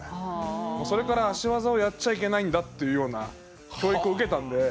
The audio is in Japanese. それから足技をやっちゃいけないんだっていうような教育を受けたんで。